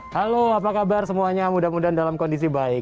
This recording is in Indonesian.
halo apa kabar semuanya mudah mudahan dalam kondisi baik